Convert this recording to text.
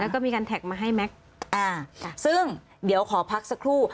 แล้วก็มีการแท็กมาให้แม็กซ์อ่าซึ่งเดี๋ยวขอพักสักครู่